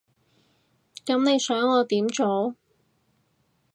噉你想我點做？